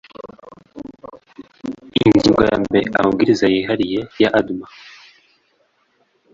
ingingo ya mbere amabwiriza yihariye ya dma